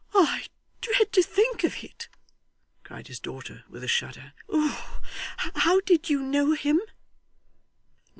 'I dread to think of it!' cried his daughter with a shudder. 'How did you know him?